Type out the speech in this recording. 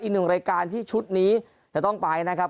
อีกหนึ่งรายการที่ชุดนี้จะต้องไปนะครับ